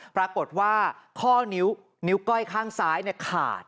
ปรากฏว่าข้อนิ้วก้อยข้างซ้ายขาด